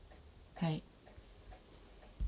はい。